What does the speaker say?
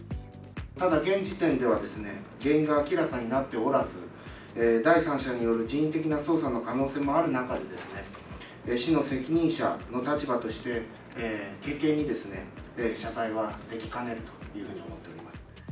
ただ現時点では、原因が明らかになっておらず、第三者による人為的な操作の可能性もある中で、市の責任者の立場として、軽々に謝罪はできかねるというふうに思っています。